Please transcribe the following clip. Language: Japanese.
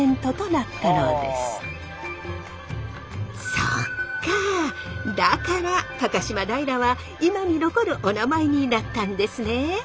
そっかだから高島平は今に残るおなまえになったんですね。